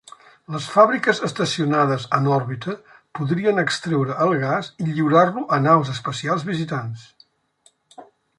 Les fàbriques estacionades en òrbita podrien extreure el gas i lliurar-lo a naus espacials visitants.